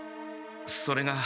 それが。